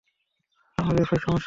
আমার ব্যবসায় সমস্যা হবে।